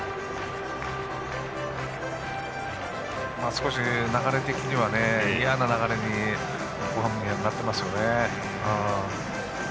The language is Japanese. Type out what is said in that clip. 少し流れ的にはいやな流れになっていますよね。